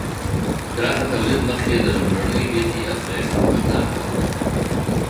د پراخه تولید مخکې د لومړنۍ بېلګې ازمېښت خطرناک کار دی.